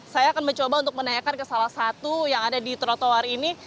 saya akan mencoba untuk menanyakan ke salah satu yang ada di trotoar ini